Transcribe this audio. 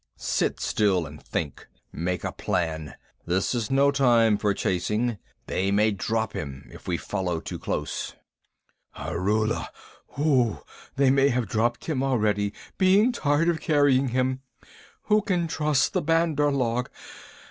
Sit still and think! Make a plan. This is no time for chasing. They may drop him if we follow too close." "Arrula! Whoo! They may have dropped him already, being tired of carrying him. Who can trust the Bandar log?